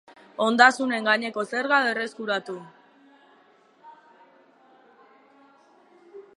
Ondasunen gaineko zerga berreskuratu.